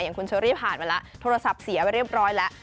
คุณเชอรี่ผ่านไปแล้วโทรศัพท์เสียไปเรียบร้อยแล้ว